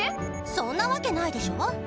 そんなわけないでしょハハァ！